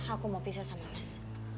aku mau pisah sama mas